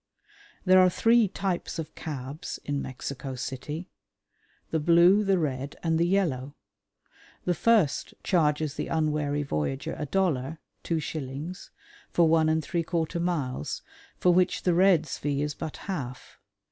There are three types of cabs in Mexico City; the blue, the red, and the yellow. The first charges the unwary voyager a dollar (two shillings) for one and three quarter miles, for which the red's fee is but half.